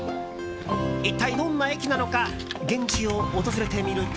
一体どんな駅なのか現地を訪れてみると。